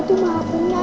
aku mau pulih ngerah